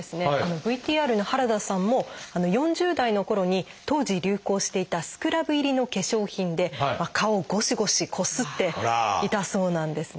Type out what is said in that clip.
ＶＴＲの原田さんも４０代のころに当時流行していたスクラブ入りの化粧品で顔をごしごしこすっていたそうなんですね。